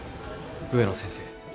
植野先生